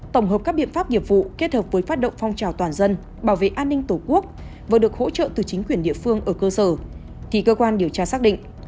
tổng hợp các biện pháp nghiệp vụ kết hợp với phát động phong trào toàn dân bảo vệ an ninh tổ quốc và được hỗ trợ từ chính quyền địa phương ở cơ sở thì cơ quan điều tra xác định